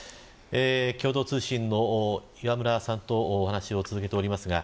共同通信の磐村さんとお話を続けております。